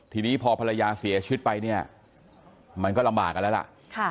ทีนี้พอภรรยาเสียชีวิตไปเนี่ยมันก็ลำบากกันแล้วล่ะ